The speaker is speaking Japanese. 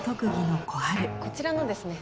こちらのですね